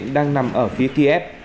nghĩa là quyết định đang nằm ở phía kiev